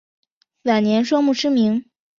晚年双目失明。